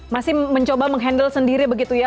masih mencoba menghandle sendiri begitu ya